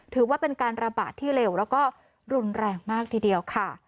ถือว่าเป็นการระบาดที่เร็วแล้วก็รุนแรงมากทีเดียวค่ะ